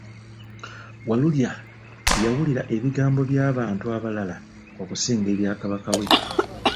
Walulya yawulira ebigambo by'abantu abalala okusinga ebya Kabaka we.